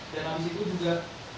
dan habis itu juga